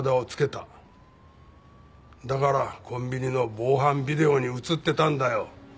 だからコンビニの防犯ビデオに映ってたんだよ。